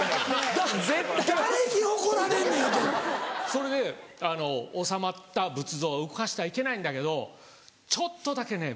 それで納まった仏像は動かしてはいけないんだけどちょっとだけね